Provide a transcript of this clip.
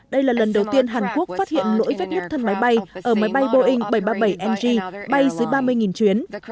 đây là lần đầu tiên hàn quốc phát hiện lỗi vết nứt thân máy bay ở máy bay boeing bảy trăm ba mươi bảy ng bay dưới ba mươi chuyến